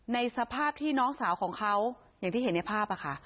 ในสภาพที่น้องสาวของเขาอย่างที่เห็นในภาพค่ะ